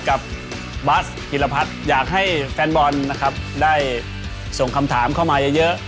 กับบัสพิรพัฒน์อยากให้แฟนบอลนะครับได้ส่งคำถามเข้ามาเยอะ